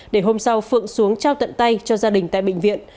để hôm sau phượng xuống trao tận tay cho gia đình tại bệnh viện